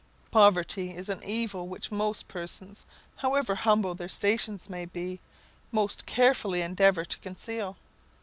Poverty is an evil which most persons, however humble their stations may be, most carefully endeavour to conceal.